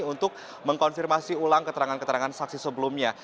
untuk mengkonfirmasi ulang keterangan keterangan saksi sebelumnya